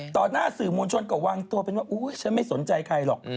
หน้าสื่อมวลชนก็วางตัวเป็นว่าอุ๊ยฉันไม่สนใจใครหรอก